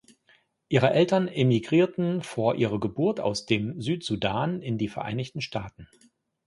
Ihre Eltern emigrierten vor ihrer Geburt aus dem Südsudan in die Vereinigten Staaten.